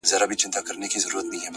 سیاه پوسي ده؛ برباد دی؛